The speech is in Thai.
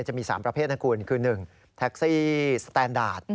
จะมี๓ประเภทนะคุณคือ๑แท็กซี่สแตนดาร์ด